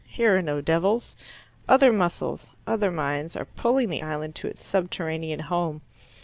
Here are no devils. Other muscles, other minds, are pulling the island to its subterranean home.